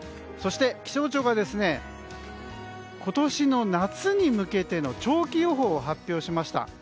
そして、気象庁が今年の夏に向けての長期予報を発表しました。